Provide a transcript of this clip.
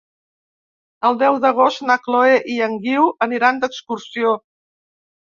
El deu d'agost na Chloé i en Guiu aniran d'excursió.